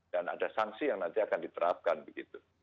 dan ada sanksi yang nanti akan diterapkan begitu